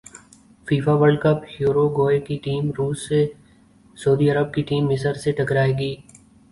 FIFA world cup Uruguay کی team روس سے سعودی عرب کی ٹیم مصر سے ٹکرائے گی